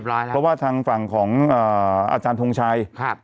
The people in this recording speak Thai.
เพราะว่าทางฝั่งของอาจารย์ทงชัย